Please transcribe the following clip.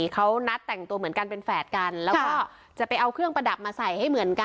เขานัดแต่งตัวเหมือนกันเป็นแฝดกันแล้วก็จะไปเอาเครื่องประดับมาใส่ให้เหมือนกัน